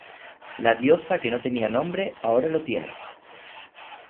La diosa que no tenía nombre ahora lo tiene".